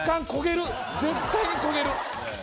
絶対に焦げる！